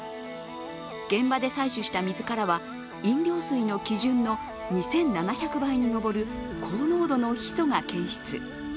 現場で採取した自らは飲料水の基準の２７００倍に上る高濃度のヒ素が検出。